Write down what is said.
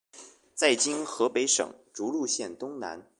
一在今河北省涿鹿县东南。